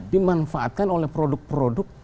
dimanfaatkan oleh produk produk